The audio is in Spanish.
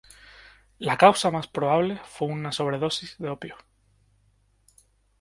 La causa más probable fue una sobredosis de opio.